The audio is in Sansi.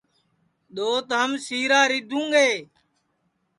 دؔوت ہم سِیرا رِیدھُوں گے